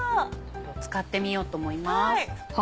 使ってみようと思います。